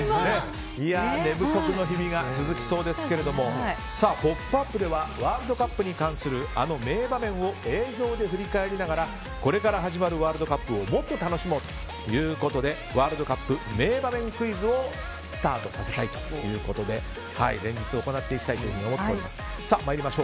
寝不足の日々が続きそうですが「ポップＵＰ！」ではワールドカップに関するあの名場面を映像で振り返りながらこれから始まるワールドカップをもっと楽しもうということでＷ杯名場面クイズをスタートさせたいということで連日いっていきたいと思っています。